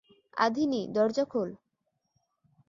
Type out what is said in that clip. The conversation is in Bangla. আধিনি, দরজা খোল!